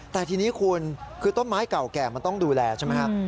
แต่ทีนี้คุณคือต้นไม้เก่าแก่มันต้องดูแลใช่ไหมครับ